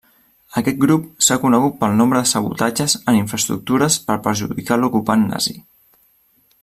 Aquest grup s'ha conegut pel nombre de sabotatges en infraestructures per perjudicar l'ocupant nazi.